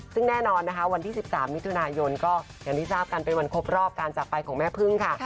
ซึ่งแน่นอนนะคะวันที่๑๓มิถุนายนก็อย่างที่ทราบกันเป็นวันครบรอบการจากไปของแม่พึ่งค่ะ